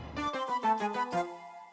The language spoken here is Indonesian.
sayang lokasi tempat reveals